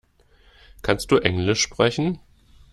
Kannst du englisch sprechen?